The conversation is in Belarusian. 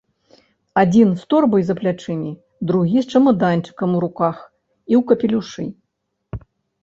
Адзін з торбай за плячыма, другі з чамаданчыкам у руках і ў капелюшы.